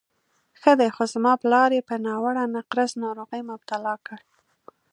ښه دی، خو زما پلار یې په ناوړه نقرس ناروغۍ مبتلا کړ.